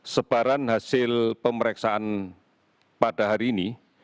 sebaran hasil pemeriksaan pada hari ini